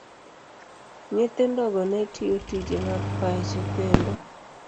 Nyithindogo ne tiyo tije mag pacho, kendo